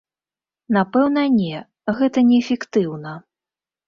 Напэўна не, гэта неэфектыўна.